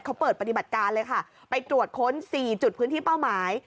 เขาเปิดปฏิบัติการเลยค่ะไปตรวจค้น๔จุดพื้นที่เป้าหมาย